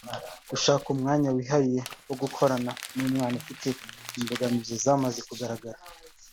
gushaka umwanya wihariye wo gukorana n’umwana ufite imbogamizi zamaze kugaragara